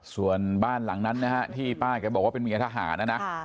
ส่วนบ้านหลังนั้นนะฮะที่ป้าแกบอกว่าเป็นเมียทหารนะนะ